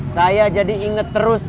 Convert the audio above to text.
saya jadi inget terus